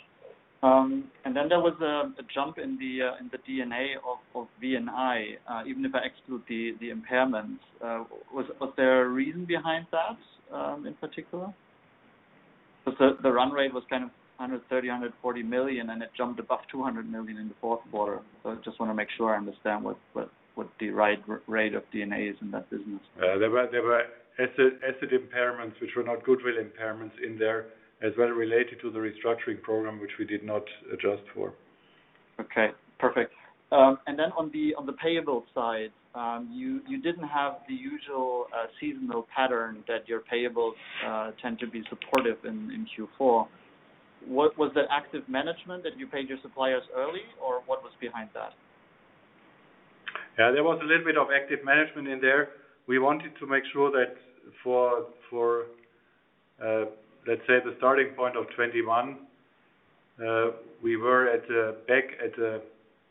There was a jump in the D&A of VNI, even if I exclude the impairments. Was there a reason behind that in particular? The run rate was kind of 130 million, 140 million, and it jumped above 200 million in the fourth quarter. I just want to make sure I understand what the right rate of D&A is in that business. There were asset impairments, which were not goodwill impairments in there as well related to the restructuring program, which we did not adjust for. Okay, perfect. Then on the payable side, you didn't have the usual seasonal pattern that your payables tend to be supportive in Q4. Was that active management that you paid your suppliers early, or what was behind that? Yeah, there was a little bit of active management in there. We wanted to make sure that for, let's say, the starting point of 2021, we were back at a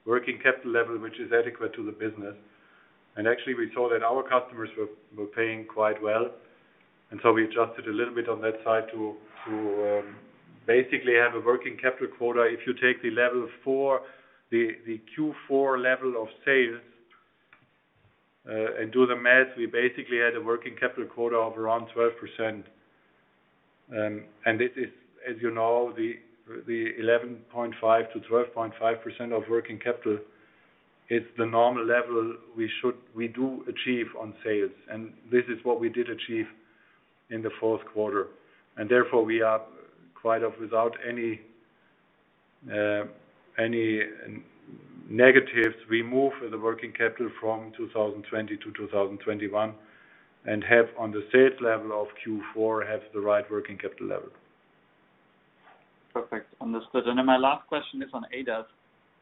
working capital level, which is adequate to the business. Actually, we saw that our customers were paying quite well. We adjusted a little bit on that side to basically have a working capital quota. If you take the Q4 level of sales, and do the math, we basically had a working capital quota of around 12%. This is, as you know, the 11.5%-12.5% of working capital is the normal level we do achieve on sales. This is what we did achieve in the fourth quarter. Therefore, we are quite off without any negatives. We move the working capital from 2020 to 2021 and on the sales level of Q4, have the right working capital level. Perfect. Understood. My last question is on ADAS.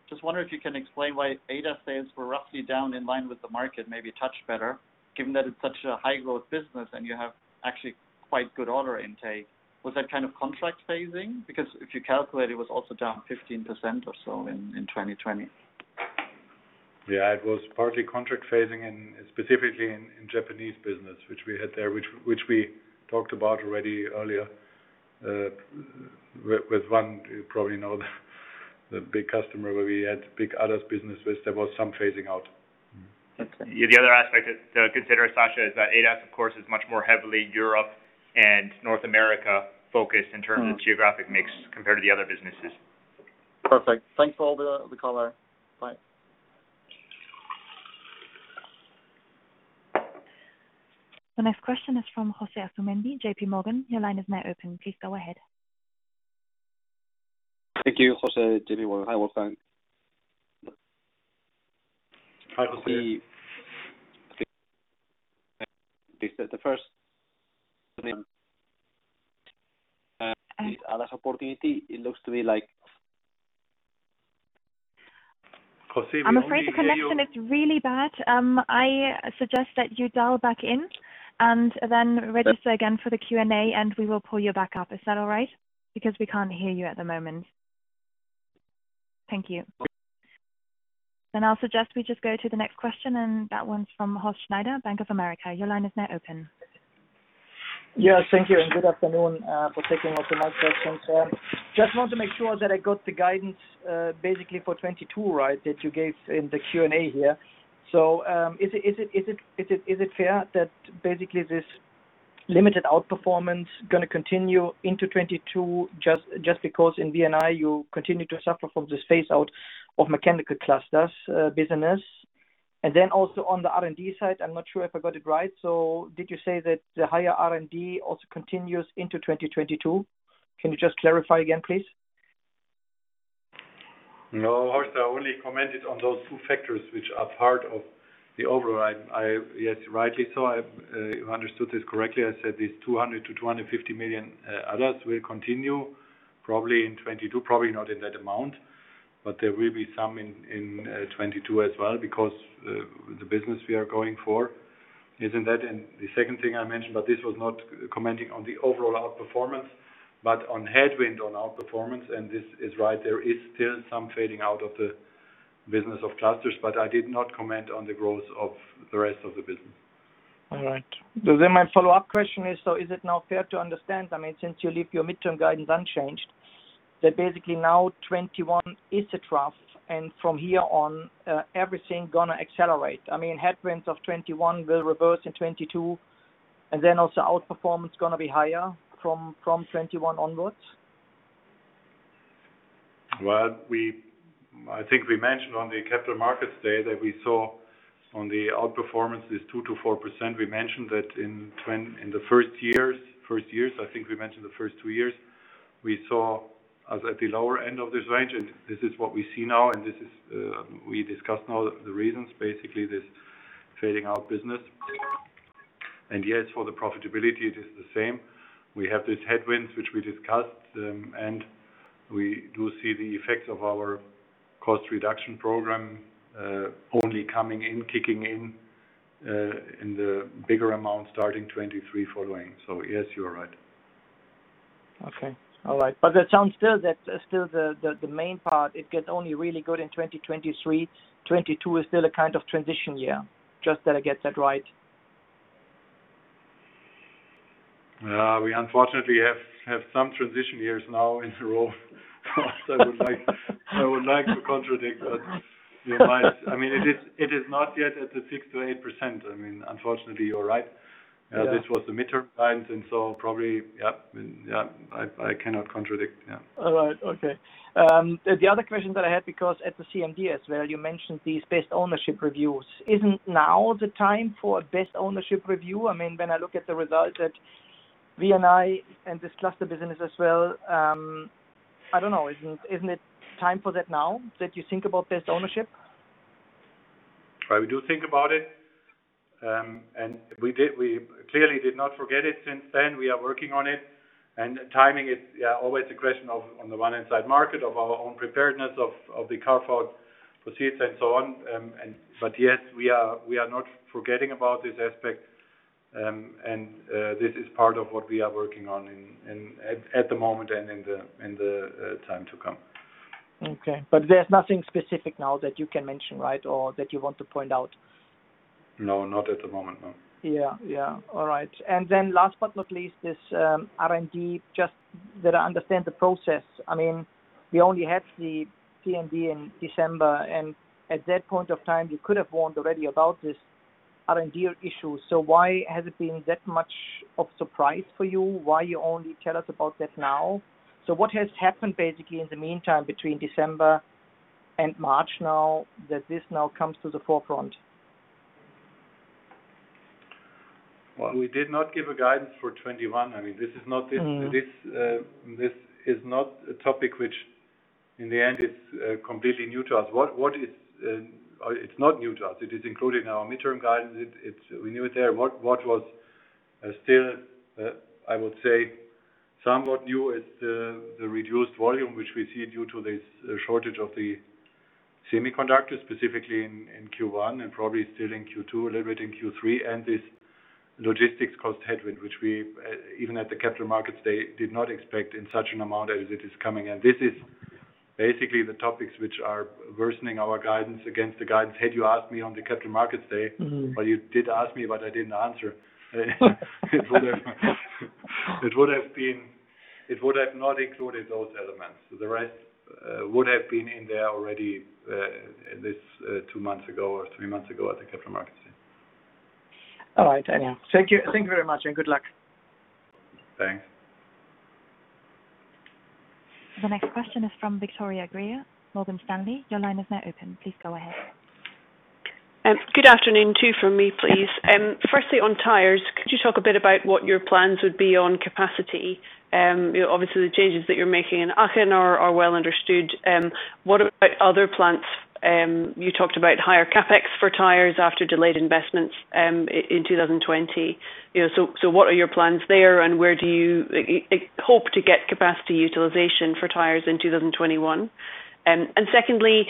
Just wondering if you can explain why ADAS sales were roughly down in line with the market, maybe a touch better, given that it's such a high growth business and you have actually quite good order intake. Was that kind of contract phasing? If you calculate, it was also down 15% or so in 2020. Yeah, it was partly contract phasing and specifically in Japanese business, which we had there, which we talked about already earlier, with one, you probably know the big customer where we had big ADAS business with. There was some phasing out. Okay. The other aspect to consider, Sascha, is that ADAS, of course, is much more heavily Europe and North America-focused in terms of geographic mix compared to the other businesses. Perfect. Thanks for all the color. Bye. The next question is from José Asumendi, JPMorgan, your line is now open. Please go ahead. Thank you, José, JPMorgan. Hi, Wolfgang. Hi, José. The first ADAS opportunity. José, we only hear you. I'm afraid the connection is really bad. I suggest that you dial back in and then register again for the Q&A, and we will pull you back up. Is that all right? Because we can't hear you at the moment. Thank you. I'll suggest we just go to the next question, and that one's from Horst Schneider, Bank of America. Your line is now open. Yes. Thank you and good afternoon for taking also my question. Just want to make sure that I got the guidance basically for 2022 right that you gave in the Q&A here. Is it fair that basically this limited outperformance going to continue into 2022 just because in VNI, you continue to suffer from this phase out of mechanical clusters business? Also on the R&D side, I'm not sure if I got it right. Did you say that the higher R&D also continues into 2022? Can you just clarify again, please? No, Horst, I only commented on those two factors, which are part of the overall. Yes, rightly so. You understood this correctly. I said these 200 million-250 million ADAS will continue probably in 2022, probably not in that amount. But there will be some in 2022 as well, because the business we are going for is in that. The second thing I mentioned, but this was not commenting on the overall outperformance, but on headwind on outperformance, and this is right, there is still some fading out of the business of clusters. I did not comment on the growth of the rest of the business. All right. My follow-up question is, so is it now fair to understand, since you leave your midterm guidance unchanged, that basically now 2021 is a trough, and from here on, everything going to accelerate. Headwinds of 2021 will reverse in 2022, and then also outperformance going to be higher from 2021 onwards? I think we mentioned on the Capital Market Day that we saw on the outperformance is 2%-4%. We mentioned that in the first years, I think we mentioned the first two years, we saw at the lower end of this range. This is what we see now, and we discussed now the reasons, basically this fading out business. Yes, for the profitability, it is the same. We have these headwinds, which we discussed, and we do see the effects of our cost reduction program only coming in, kicking in the bigger amount starting 2023 following. Yes, you are right. Okay. All right. That sounds still that the main part, it gets only really good in 2023. 2022 is still a kind of transition year. Just that I get that right. We unfortunately have some transition years now in a row. I would like to contradict that. It is not yet at the 6%-8%. Unfortunately, you're right. Yeah. This was the midterm guidance, and so probably, I cannot contradict. Yeah. All right. Okay. The other question that I had, because at the CMD as well, you mentioned these best ownership reviews. Isn't now the time for a best ownership review? When I look at the results at VNI and this cluster business as well, I don't know, isn't it time for that now, that you think about best ownership? We do think about it. We clearly did not forget it since then. We are working on it. Timing is always a question of, on the one hand side market, of our own preparedness of the carve-out proceeds and so on. Yes, we are not forgetting about this aspect. This is part of what we are working on at the moment and in the time to come. Okay. There's nothing specific now that you can mention, right? Or that you want to point out? No, not at the moment, no. Yeah. All right. Last but not least, this R&D, just that I understand the process. We only had the CMD in December. At that point of time, you could have warned already about this R&D issue. Why has it been that much of surprise for you? Why you only tell us about that now? What has happened basically in the meantime between December and March now that this now comes to the forefront? Well, we did not give a guidance for 2021. This is not a topic which in the end is completely new to us. It's not new to us. It is included in our midterm guidance. We knew it there. What was still, I would say, somewhat new is the reduced volume, which we see due to this shortage of the semiconductors, specifically in Q1 and probably still in Q2, a little bit in Q3, and this logistics cost headwind, which we, even at the Capital Market Day, did not expect in such an amount as it is coming. This is basically the topics which are worsening our guidance against the guidance. Had you asked me on the Capital Market Day. Well, you did ask me, but I didn't answer. It would have not included those elements. The rest would have been in there already, this two months ago or three months ago at the Capital Market Day. All right. Thank you very much and good luck. Thanks. The next question is from Victoria Greer, Morgan Stanley. Your line is now open. Please go ahead. Good afternoon, two from me, please. Firstly, on tires, could you talk a bit about what your plans would be on capacity? Obviously, the changes that you're making in Aachen are well understood. What about other plants? You talked about higher CapEx for tires after delayed investments in 2020. What are your plans there, and where do you hope to get capacity utilization for tires in 2021? Secondly,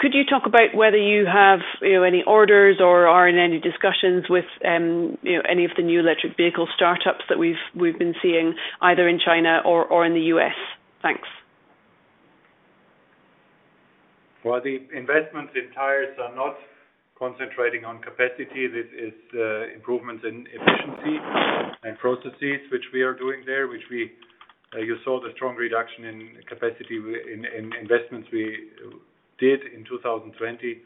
could you talk about whether you have any orders or are in any discussions with any of the new electric vehicle startups that we've been seeing either in China or in the U.S.? Thanks. Well, the investments in tires are not concentrating on capacity. This is improvements in efficiency and processes which we are doing there, which you saw the strong reduction in capacity in investments we did in 2020,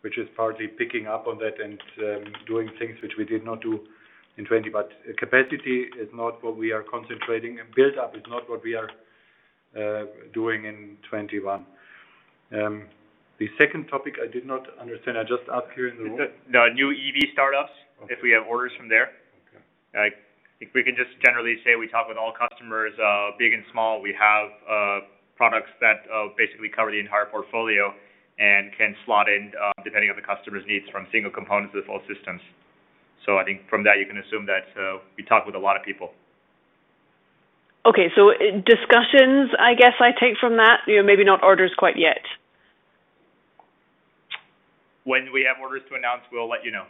which is partly picking up on that and doing things which we did not do in 2020. Capacity is not what we are concentrating, and buildup is not what we are doing in 2021. The second topic I did not understand. Just ask here in the room. The new EV startups, if we have orders from there. Okay. I think we can just generally say we talk with all customers, big and small. We have products that basically cover the entire portfolio and can slot in depending on the customer's needs, from single components to the full systems. I think from that, you can assume that we talk with a lot of people. Okay, so, in discussions, I guess I take from that. Maybe not orders quite yet. When we have orders to announce, we'll let you know.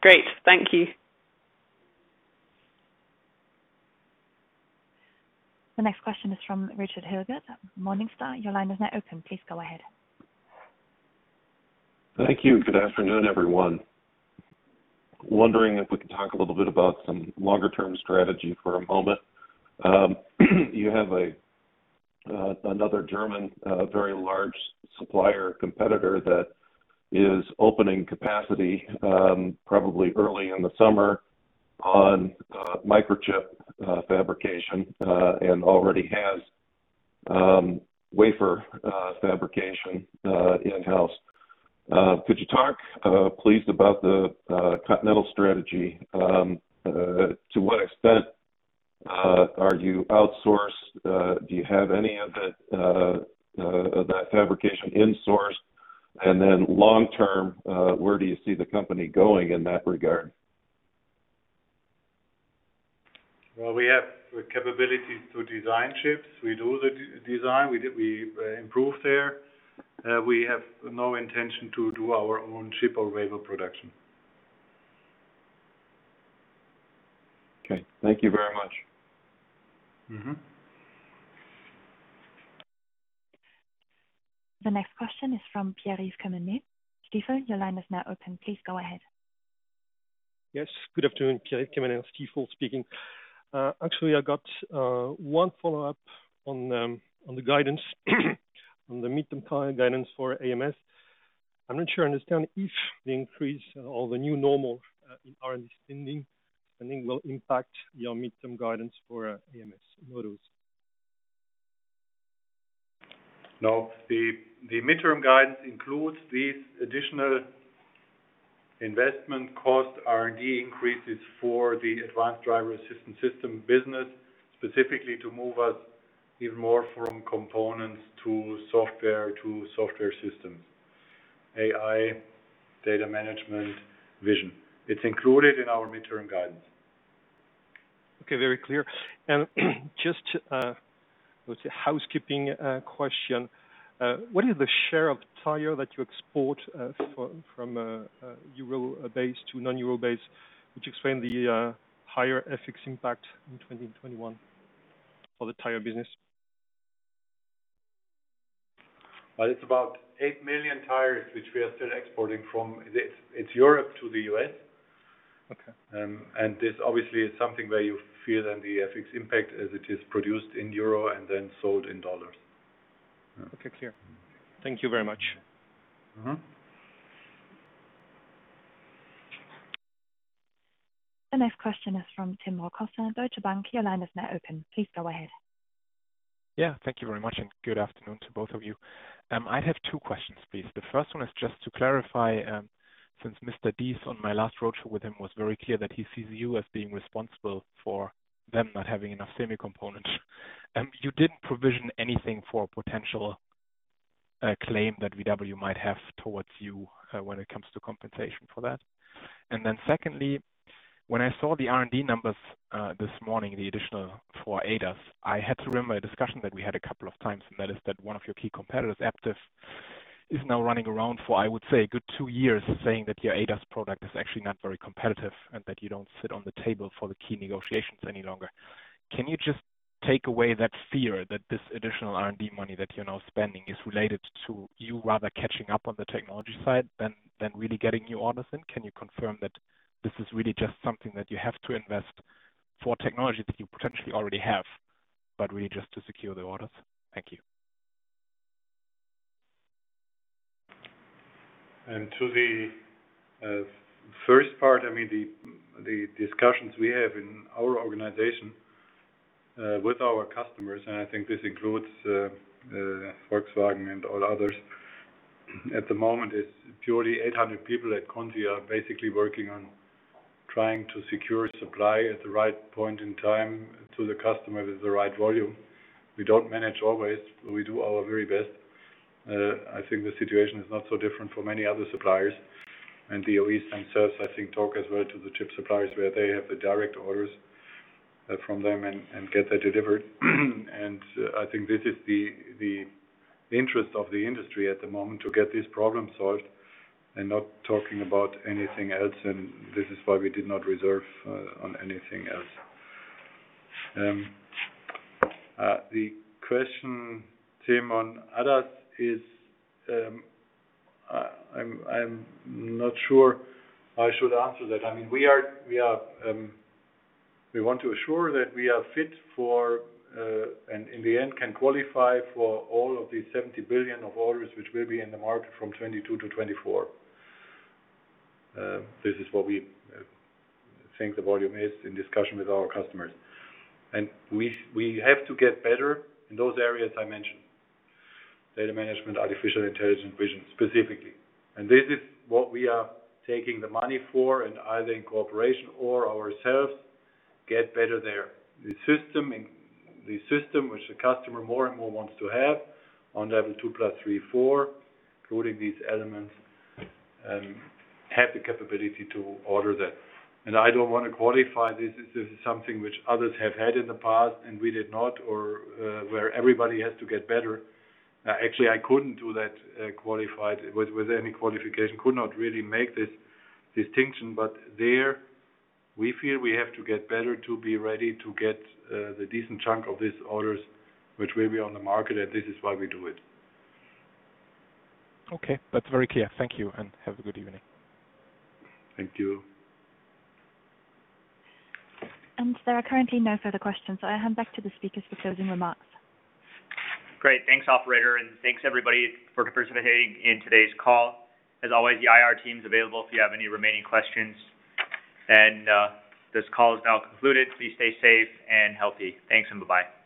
Great. Thank you. The next question is from Richard Hilgert at Morningstar. Your line is now open. Please go ahead. Thank you. Good afternoon, everyone. Wondering if we can talk a little bit about some longer-term strategy for a moment. You have another German, very large supplier competitor that is opening capacity, probably early in the summer, on microchip fabrication, and already has wafer fabrication in-house. Could you talk, please, about the Continental strategy? To what extent are you outsourced? Do you have any of that fabrication insourced? Then long term, where do you see the company going in that regard? Well, we have the capabilities to design chips. We do the design. We improve there. We have no intention to do our own chip or wafer production. Okay. Thank you very much. The next question is from Pierre-Yves Quemener. Stifel, your line is now open. Please go ahead. Yes, good afternoon. Pierre-Yves Quemener, Stifel speaking. Actually, I got one follow-up on the guidance, on the midterm guidance for AMS. I'm not sure I understand if the increase or the new normal in R&D spending will impact your midterm guidance for AMS models. No. The midterm guidance includes these additional investment cost R&D increases for the advanced driver assistance system business, specifically to move us even more from components to software to software systems. AI, data management, vision. It's included in our midterm guidance. Okay. Very clear. Just a, let's say, housekeeping question. What is the share of tire that you export from euro base to non-euro base, which explain the higher FX impact in 2021 for the tire business? It's about 8 million tires, which we are still exporting from Europe to the U.S. Okay. This obviously is something where you feel then the FX impact as it is produced in euro and then sold in U.S. dollars. Okay, clear. Thank you very much. The next question is from Tim Rokossa, Deutsche Bank. Your line is now open. Please go ahead. Yeah, thank you very much. Good afternoon to both of you. I have two questions, please. The first one is just to clarify, since Herbert Diess, on my last road show with him, was very clear that he sees you as being responsible for them not having enough semi components. You didn't provision anything for a potential claim that VW might have towards you when it comes to compensation for that. Secondly, when I saw the R&D numbers this morning, the additional for ADAS, I had to remember a discussion that we had a couple of times, and that is that one of your key competitors, Aptiv, is now running around for, I would say, a good two years saying that your ADAS product is actually not very competitive and that you don't sit on the table for the key negotiations any longer. Can you just take away that fear that this additional R&D money that you're now spending is related to you rather catching up on the technology side than really getting new orders in? Can you confirm that this is really just something that you have to invest for technology that you potentially already have, but really just to secure the orders? Thank you. To the first part, the discussions we have in our organization with our customers, and I think this includes Volkswagen and all others. At the moment, it's purely 800 people at Conti are basically working on trying to secure supply at the right point in time to the customer with the right volume. We don't manage always, but we do our very best. I think the situation is not so different for many other suppliers. The OEs themselves, I think, talk as well to the chip suppliers where they have the direct orders from them and get that delivered. I think this is the interest of the industry at the moment to get this problem solved and not talking about anything else, and this is why we did not reserve on anything else. The question, Tim, on ADAS is I'm not sure I should answer that. We want to assure that we are fit for, and in the end, can qualify for all of the 70 billion of orders which will be in the market from 2022-2024. This is what we think the volume is in discussion with our customers. We have to get better in those areas I mentioned. Data management, artificial intelligence, vision, specifically. This is what we are taking the money for, and either in cooperation or ourselves, get better there. The system which the customer more and more wants to have on level 2+ 3, 4, including these elements, have the capability to order that. I don't want to qualify this as if this is something which others have had in the past and we did not, or where everybody has to get better. Actually, I couldn't do that with any qualification, could not really make this distinction. There, we feel we have to get better to be ready to get the decent chunk of these orders which will be on the market, and this is why we do it. Okay. That's very clear. Thank you, and have a good evening. Thank you. There are currently no further questions. I hand back to the speakers for closing remarks. Great. Thanks, operator, and thanks everybody for participating in today's call. As always, the IR team's available if you have any remaining questions. This call is now concluded. Please stay safe and healthy. Thanks, and bye-bye.